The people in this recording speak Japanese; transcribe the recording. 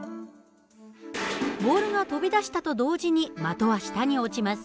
ボールが飛び出したと同時に的は下に落ちます。